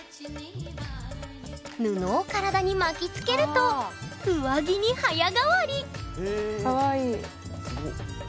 布を体に巻きつけると上着に早変わりかわいい。